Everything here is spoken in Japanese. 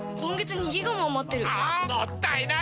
もったいない！